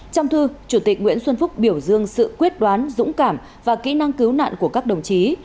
trong thư chủ tịch nguyễn xuân phúc biểu dương sự quyết đoán dũng cảm và kỹ năng cứu nạn của các đồng chí